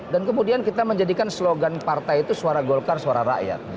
dan kemudian kita menjadikan slogan partai itu suara golkar suara rakyat